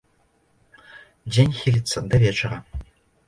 Дзень хіліцца да вечара.